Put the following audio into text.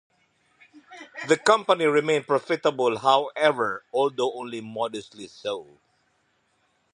The company remained profitable, however, although only modestly so.